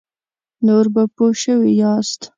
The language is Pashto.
نور به پوه شوي یاست.